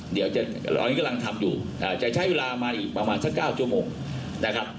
เดี๋ยวตอนนี้กำลังทำอยู่จะใช้เวลามาอีกประมาณสัก๙ชั่วโมงนะครับ